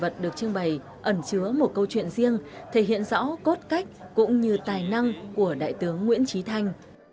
thể hiện rõ cốt cách cũng như tài năng của đại tướng nguyễn trì thanh